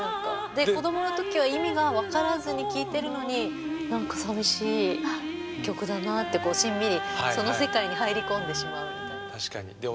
で子どものときは意味が分からずに聴いてるのになんか寂しい曲だなってこうしんみりその世界に入り込んでしまうみたいな。